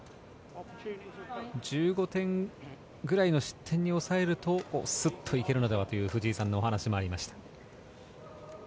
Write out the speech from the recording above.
１５点ぐらいの失点に抑えるとすっといけるのではという藤井さんのお話もありました。